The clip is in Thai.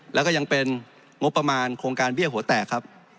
แล้วก็ยังเป็นงบประมาณโครงการเบี้ยหัวแตกครับ